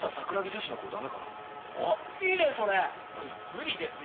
無理ですよ。